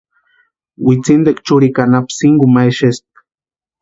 Witsintikwani churikwa anapu sinkuni ma exespka.